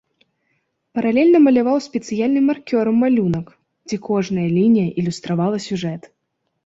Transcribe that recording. Паралельна маляваў спецыяльным маркёрам малюнак, дзе кожная лінія ілюстравала сюжэт.